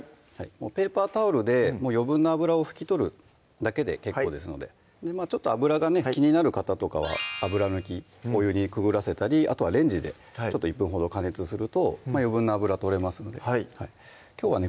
ペーパータオルで余分な油を拭き取るだけで結構ですのでちょっと油がね気になる方とかは油抜きお湯にくぐらせたりあとはレンジで１分ほど加熱すると余分な油取れますのではいきょうはね